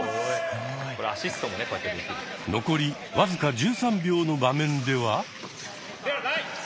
残り僅か１３秒の場面では。